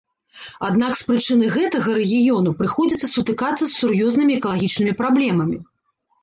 Аднак з прычыны гэтага рэгіёну прыходзіцца сутыкацца з сур'ёзнымі экалагічнымі праблемамі.